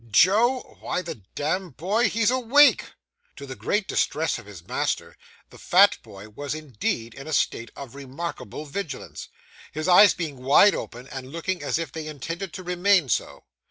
Joe; why, damn the boy, he's awake!' To the great distress of his master, the fat boy was indeed in a state of remarkable vigilance, his eyes being wide open, and looking as if they intended to remain so.